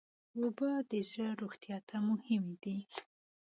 اوبه د زړه روغتیا ته مهمې دي.